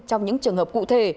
trong những trường hợp cụ thể